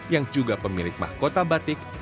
yang juga pemilik mahkota batik